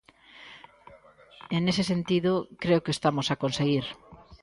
E nese sentido, creo que o estamos a conseguir.